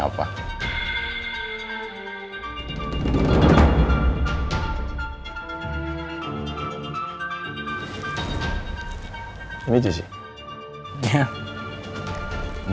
kalau suatu saat nanti di jalan ketemu sama jc udah tahu wajahnya seperti apa ya